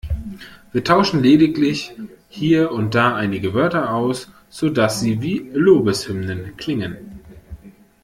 Wir tauschen lediglich hier und da einige Wörter aus, sodass sie wie Lobeshymnen klingen.